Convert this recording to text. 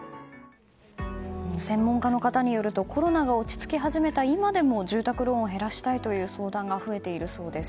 専門家の方によるとコロナが落ち着き始めた今でも住宅ローンを減らしたいという相談が増えているそうです。